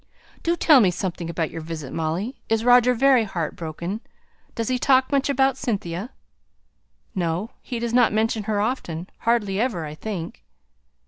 "Do tell me something about your visit, Molly. Is Roger very heart broken? Does he talk much about Cynthia?" "No. He does not mention her often; hardly ever, I think."